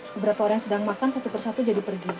beberapa orang yang sedang makan satu persatu jadi pergi